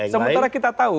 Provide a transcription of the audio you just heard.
sementara kita tahu